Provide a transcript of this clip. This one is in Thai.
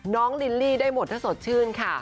ลิลลี่ได้หมดถ้าสดชื่นค่ะ